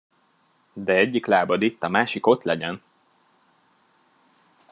De egyik lábad itt, a másik ott legyen!